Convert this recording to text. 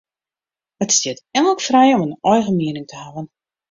It stiet elk frij om in eigen miening te hawwen.